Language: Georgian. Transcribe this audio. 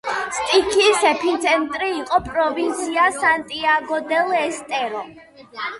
სტიქიის ეპიცენტრი იყო პროვინცია სანტიაგო-დელ-ესტერო.